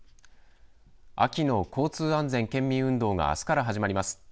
秋の交通安全県民運動があすから始まります。